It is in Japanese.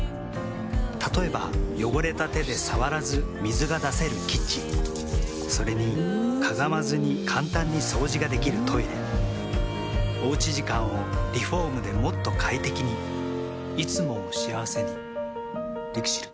例えば汚れた手で触らず水が出せるキッチンそれにかがまずに簡単に掃除ができるトイレおうち時間をリフォームでもっと快適にいつもを幸せにＬＩＸＩＬ。